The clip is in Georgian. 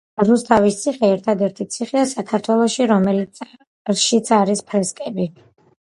რუსთავის ციხე ერთადერთი ციხეა საქართველოში რომელშიც არის ფრესკები.